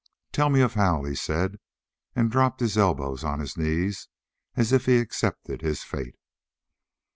"Tell me of Hal," he said, and dropped his elbows on his knees as if he accepted his fate.